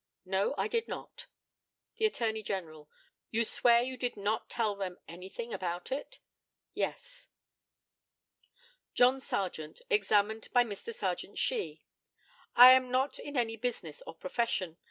No, I did not. The ATTORNEY GENERAL: You swear you did not tell them anything about it? Yes. JOHN SARGENT, examined by Mr. Sergeant SHEE: I am not in any business or profession.